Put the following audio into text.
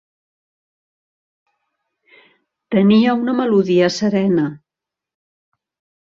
Tenia una melodia serena.